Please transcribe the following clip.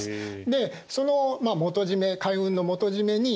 でその元締め海運の元締めに。